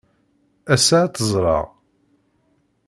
Ass-a, ad tt-ẓreɣ.